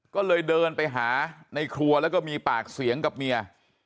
ก็เลยเดินไปหาในครัวแล้วก็มีปากเสียงกับเมีย